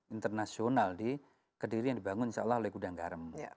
internasional di kediri yang dibangun insya allah oleh gudang garam